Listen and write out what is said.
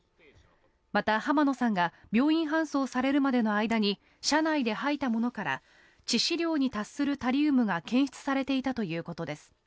また、浜野さんが病院搬送されるまでの間に車内で吐いたものから致死量に達するタリウムが検出されていたということです。